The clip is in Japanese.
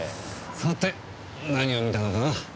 さて何を見たのかな。